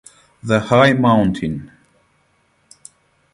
The high mountain.